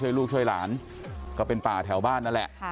ลูกช่วยหลานก็เป็นป่าแถวบ้านนั่นแหละ